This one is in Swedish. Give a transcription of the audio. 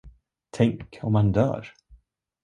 Tänk, om han dör!